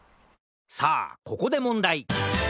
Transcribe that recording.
さあここでもんだい。